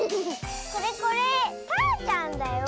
これこれたーちゃんだよ。